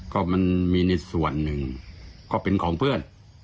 ก็มันมีในส่วนหนึ่งก็เป็นของเพื่อน